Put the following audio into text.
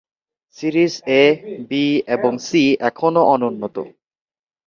Series A, B এবং C এখনও অনুন্নত।